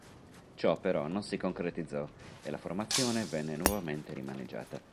Ciò però non si concretizzò e la formazione venne nuovamente rimaneggiata.